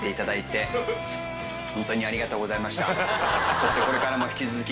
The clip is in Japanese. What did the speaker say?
そしてこれからも引き続き。